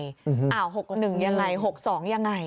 ๖๑ยังไง๖๒ยังไง